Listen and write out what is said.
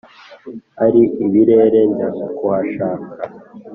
ari ibirere njya kuhashaka